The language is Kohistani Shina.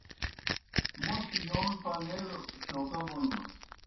موْس یون پمَیلوْ شوکا بونمَس۔